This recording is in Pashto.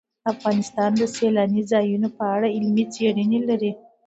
افغانستان د سیلاني ځایونو په اړه علمي څېړنې لري.